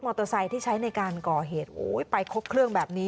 เตอร์ไซค์ที่ใช้ในการก่อเหตุโอ้ยไปครบเครื่องแบบนี้